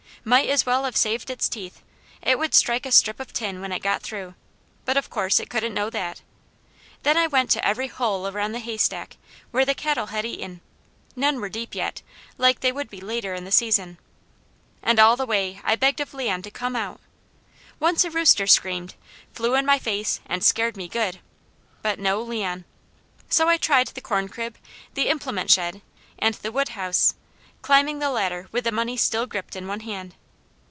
Might as well have saved its teeth, it would strike a strip of tin when it got through, but of course it couldn't know that. Then I went to every hole around the haystack, where the cattle had eaten; none were deep yet, like they would be later in the season, and all the way I begged of Leon to come out. Once a rooster screamed, flew in my face and scared me good, but no Leon; so I tried the corn crib, the implement shed, and the wood house, climbing the ladder with the money still gripped in one hand.